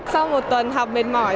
sau một tuần học mệt mỏi